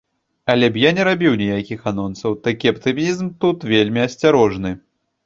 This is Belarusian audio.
Але б я не рабіў нейкіх анонсаў, такі аптымізм тут вельмі асцярожны.